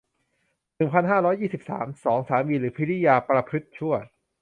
หนึ่งพันห้าร้อยยี่สิบสาม สอง สามีหรือภริยาประพฤติชั่ว